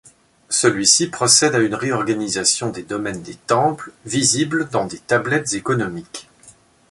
Celui-ci procède à une réorganisation des domaines des temples, visibles dans des tablettes économiques.